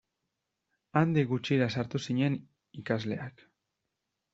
Handik gutxira sartu zinen ikasleak.